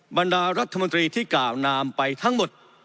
บรรดารัฐมนตรีที่กล่าวนามไปทั้งหมด